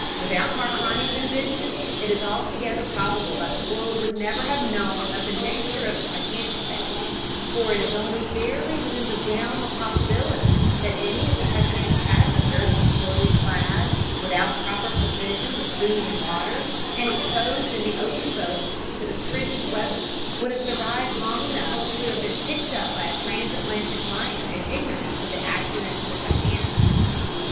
Without Marconi's invention it is altogether probable that the world would never have known of the nature of the Titanic's fate, for it is only barely within the realm of possibility that any of the Titanic's passengers' poorly clad, without proper provisions of food and water, and exposed in the open boats to the frigid weather, would have survived long enough to have been picked up by a transatlantic liner in ignorance of the accident to the Titanic.